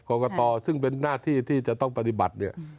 กรกตซึ่งเป็นหน้าที่ที่จะต้องปฏิบัติเนี่ย